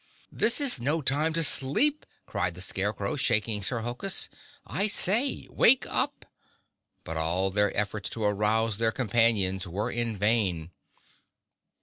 "This is no time to sleep," cried the Scarecrow, shaking Sir Hokus. "I say—wake up!" But all their efforts to arouse their companions were in vain.